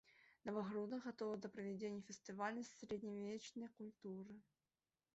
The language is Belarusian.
Навагрудак гатовы да правядзення фестывалю сярэднявечнай культуры.